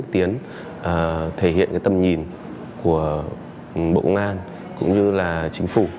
thể hiện tầm nhìn của bộ công an cũng như là chính phủ